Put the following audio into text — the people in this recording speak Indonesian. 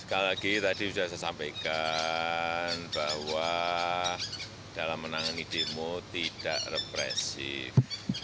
sekali lagi tadi sudah saya sampaikan bahwa dalam menangani demo tidak represif